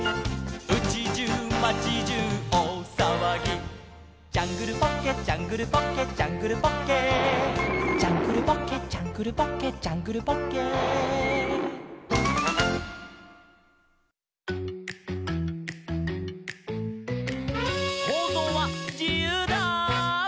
「うちじゅう町じゅうおおさわぎ」「ジャングルポッケジャングルポッケ」「ジャングルポッケ」「ジャングルポッケジャングルポッケ」「ジャングルポッケ」「そうぞうはじゆうだー！」